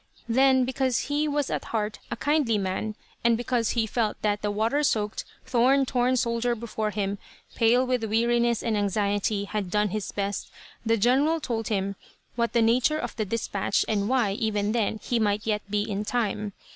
Then, because he was at heart a kindly man, and because he felt that the water soaked, thorn torn soldier before him, pale with weariness and anxiety, had done his best, the general told him what was the nature of the dispatch, and why, even then, he might yet be in time.